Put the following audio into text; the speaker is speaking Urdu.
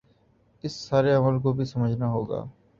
اس سارے عمل کو بھی سمجھنا ہو گا